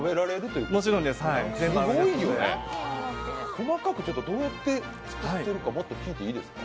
細かく、どうやっているか聞いていいですか？